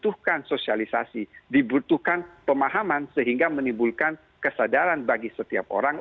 dibutuhkan sosialisasi dibutuhkan pemahaman sehingga menimbulkan kesadaran bagi setiap orang